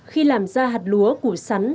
khi làm ra hạt lúa củ sắn